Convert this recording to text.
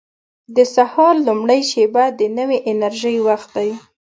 • د سهار لومړۍ شېبه د نوې انرژۍ وخت دی.